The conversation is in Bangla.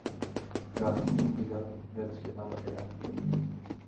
গাঙু, বিলাল গেছে লালাকে ডাকতে।